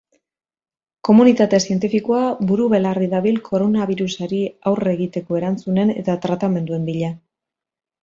Komunitate zientifikoa buru-belarri dabil koronabirusari aurre egiteko erantzunen eta tratamenduen bila.